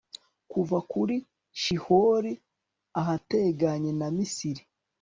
kuva kuri shihori ahateganye na misiri